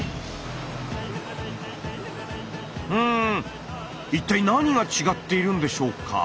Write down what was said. ん一体何が違っているんでしょうか？